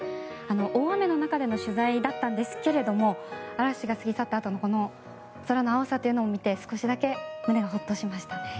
大雨の中での取材だったんですけれども嵐が過ぎ去ったあとのこの空の青さというのを見て少しだけ胸がホッとしましたね。